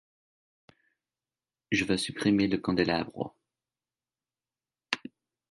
Je vas supprimer le candélabre.